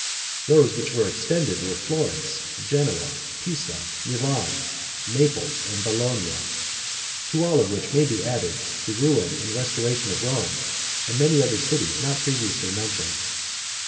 Those which became extended were Florence, Genoa, Pisa, Milan, Naples, and Bologna; to all of which may be added, the ruin and restoration of Rome, and of many other cities not previously mentioned.